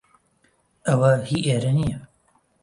ئەوە هی ئێرە نییە.